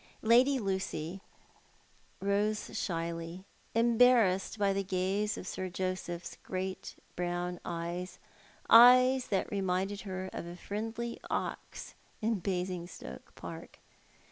Lady Lucy rose shyly, embarrassed by the gaze of Sir Joseph's great brown eyes, eyes that reminded her of a friendly ox in Basingstoke Park.